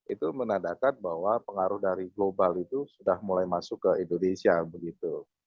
itu menandakan bahwa pengaruh dari global itu sudah mulai masuk ke indonesia begitu